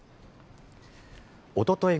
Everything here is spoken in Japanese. おととい